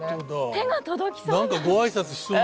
手が届きそうな。